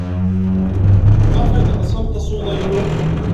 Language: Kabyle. Maɣef ay teɛṣamt tasunḍa-inu?